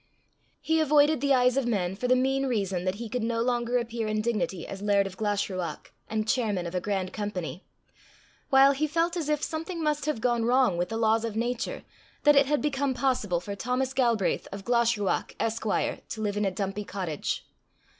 He avoided the eyes of men for the mean reason that he could no longer appear in dignity as laird of Glashruach and chairman of a grand company; while he felt as if something must have gone wrong with the laws of nature that it had become possible for Thomas Galbraith, of Glashruach, Esq., to live in a dumpy cottage.